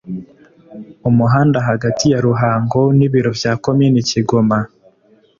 umuhanda hagati ya ruhango n'ibiro bya komini kigoma).